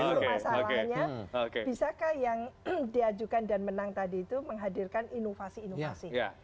tapi masalahnya bisakah yang diajukan dan menang tadi itu menghadirkan inovasi inovasi